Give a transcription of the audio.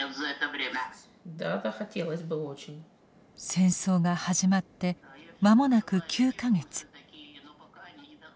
☎戦争が始まって間もなく９か月。